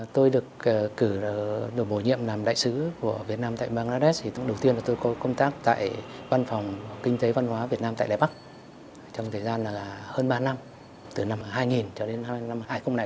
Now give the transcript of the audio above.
trong thời gian hơn ba năm từ năm hai nghìn cho đến năm hai nghìn ba